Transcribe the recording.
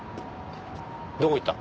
どこ行った。